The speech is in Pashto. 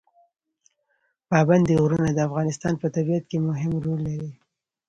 پابندی غرونه د افغانستان په طبیعت کې مهم رول لري.